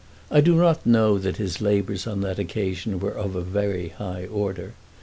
I do not know that his labours on that occasion were of a very high order.